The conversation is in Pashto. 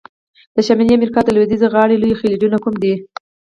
د شمالي امریکا د لویدیځه غاړي لوی خلیجونه کوم دي؟